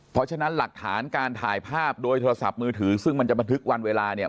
เพราะฉะนั้นหลักฐานการถ่ายภาพโดยโทรศัพท์มือถือซึ่งมันจะบันทึกวันเวลาเนี่ย